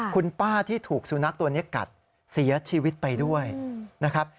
คุณป้าที่ถูกสุนัขตัวนี้กัดเสียชีวิตไปด้วยนะครับ